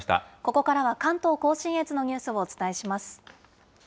ここからは関東甲信越のニュースをお伝えします。